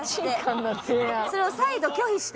それを再度拒否して。